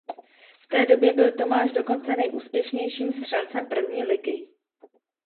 V té době byl Tomáš dokonce nejúspěšnějším střelcem první ligy.